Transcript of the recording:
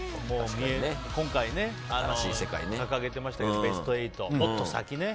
今回、掲げてましたけどベスト８もっと先ね。